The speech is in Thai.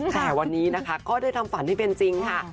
แต่วันนี้นะคะก็ได้ทำฝันให้เป็นจริงค่ะ